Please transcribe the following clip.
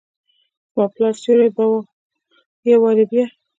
زماد پلار سیوری به ، یو وارې بیا،